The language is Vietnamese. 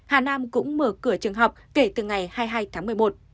hà nam cũng mở cửa trường học kể từ ngày hai mươi hai tháng một mươi một